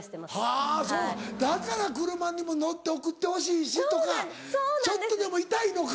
はぁそうかだから車にも乗って送ってほしいしとかちょっとでもいたいのか。